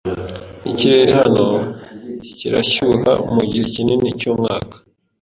Ikirere hano kirashyuha mugihe kinini cyumwaka.